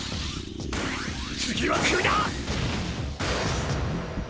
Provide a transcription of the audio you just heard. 次は首だ！！